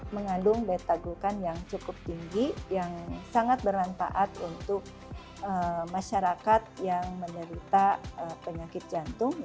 mengandung beta glukan yang cukup tinggi yang sangat bermanfaat untuk masyarakat yang menderita penyakit jantung